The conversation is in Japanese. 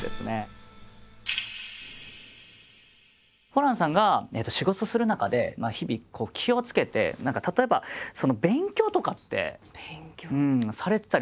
ホランさんが仕事する中で日々気をつけて何か例えば勉強とかってされてたりするんですか？